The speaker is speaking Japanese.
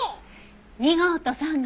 ２号と３号。